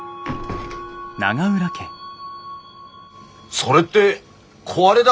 それって壊れだ